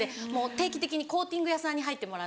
定期的にコーティング屋さんに入ってもらって。